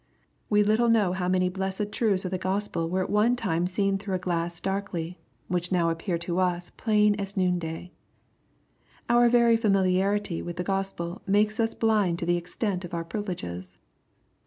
We little know how many blessed truths of the Gospel were at one time seen through a glass darkly, which now appear to us plain as noon day. Our very familiarity with the Gospel makes us blind to the extent of our privi leges.